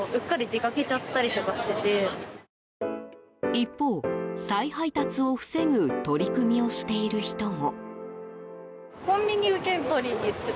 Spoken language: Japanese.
一方、再配達を防ぐ取り組みをしている人も。